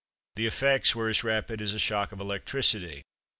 The effects were as rapid as a shock of electricity.